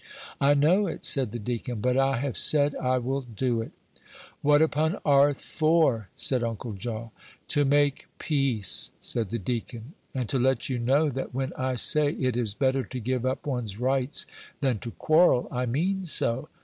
"I know it," said the deacon; "but I have said I will do it." "What upon 'arth for?" said Uncle Jaw. "To make peace," said the deacon, "and to let you know that when I say it is better to give up one's rights than to quarrel, I mean so.